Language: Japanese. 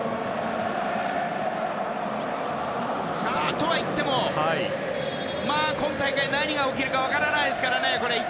とは言ってもまあ、今大会は何が起きるか分からないですからね。